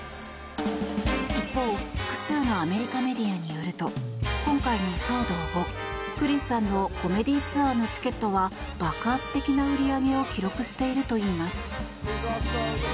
一方、複数のアメリカメディアによると今回の騒動後、クリスさんのコメディーツアーのチケットは爆発的な売り上げを記録しているといいます。